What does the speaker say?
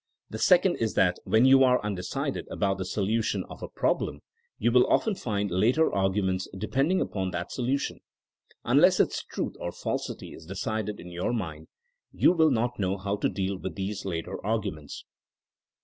The second is that when you are unde cided about the solution of a problem, you will often find later arguments depending upon that solution. Unless its truth or falsity is decided in your own mind you will not know how to deal with these later arguments.